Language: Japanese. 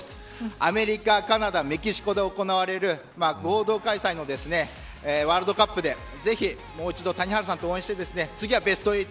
アメリカ、カナダ、メキシコで行われる合同開催のワールドカップでぜひもう一度谷原さんと応援して次はベスト８